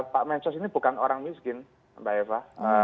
pak mensos ini bukan orang miskin mbak eva